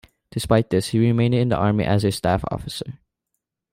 Despite this, he remained in the army as a staff officer.